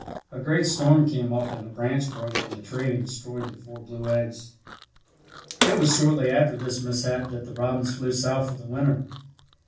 A great storm came up and a branch broke from the tree and destroyed the four blue eggs. "It was shortly after this mishap that the robins flew south for the winter.